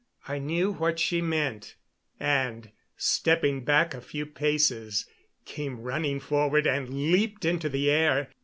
I knew what she meant, and, stepping back a few paces, came running forward and leaped into the air.